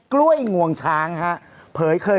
กล้วยงวงช้างฮะเผยเคย